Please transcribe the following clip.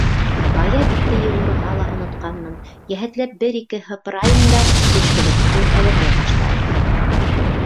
Бая битте йыуырға ла онотҡанмын, йәһәтләп бер-ике һыпырайым да төшкөлөктө әҙерләй башлайым.